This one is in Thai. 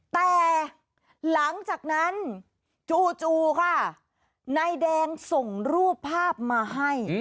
แต่หลังจากนั้นจู่ค่ะนายแดงส่งรูปภาพมาให้